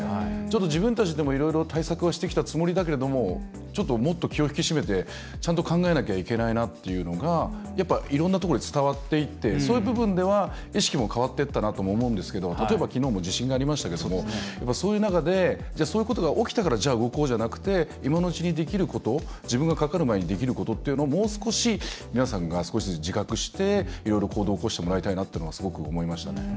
自分たちでも、いろいろ対策はしてきたつもりだけれどももっと気を引き締めてちゃんと考えなきゃいけないなっていうのがいろんなところで伝わっていってそういう部分では、意識も変わってったなとも思うんですが例えば、きのうも地震がありましたけどそういう中でそういうことが起きたからじゃあ、動こうじゃなくて今のうちにできること自分が、かかる前にできることっていうのを、もう少し皆さんが少しずつ自覚していろいろ行動を起こしてもらいたいなっていうのはすごく思いましたね。